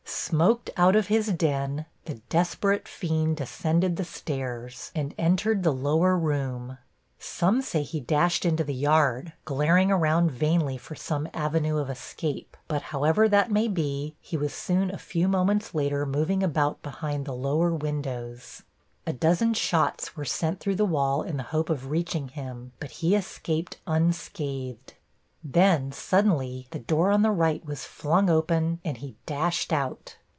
Smoked out of his den, the desperate fiend descended the stairs and entered the lower room. Some say he dashed into the yard, glaring around vainly for some avenue of escape; but, however that may be, he was soon a few moments later moving about behind the lower windows. A dozen shots were sent through the wall in the hope of reaching him, but he escaped unscathed. Then suddenly the door on the right was flung open and he dashed out.